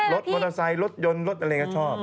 รถมอเตอร์ไซค์รถยนต์รถอะไรก็ชอบ